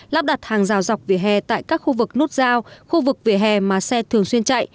lắp đặt hàng rào dọc vỉa hè tại các khu vực nút giao khu vực vỉa hè mà xe thường xuyên chạy